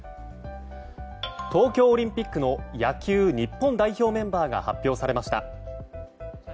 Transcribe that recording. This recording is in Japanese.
東京オリンピックの野球日本代表メンバーが発表されました。